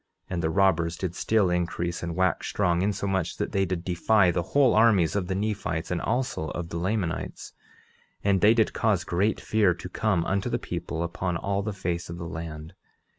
And the robbers did still increase and wax strong, insomuch that they did defy the whole armies of the Nephites, and also of the Lamanites; and they did cause great fear to come unto the people upon all the face of the land.